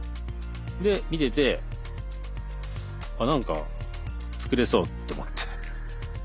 で見てて何か作れそうと思って。